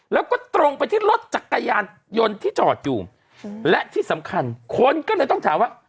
แล้วก็ตรงไปที่รถจักรยานยนต์ที่จอดอยู่และที่สำคัญคนก็เลยต้องถามว่า